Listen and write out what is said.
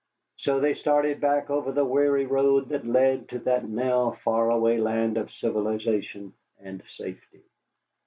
So they started back over the weary road that led to that now far away land of civilization and safety.